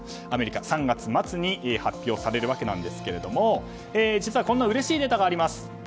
アメリカで３月末に発表されるわけなんですが実は、こんなうれしいデータがあります。